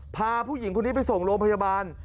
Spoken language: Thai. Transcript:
พาผู้หญิงคนนี้ไปส่งโรงพยาบาล